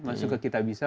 masuk ke kitabisa